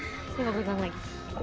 ini airnya berdengkleng